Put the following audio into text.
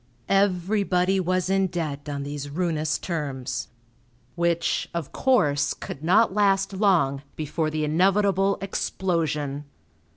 Everybody was in debt on these ruinous terms; which, of course, could not last long before the inevitable explosion.